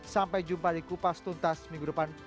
sampai jumpa di kupas tuntas minggu depan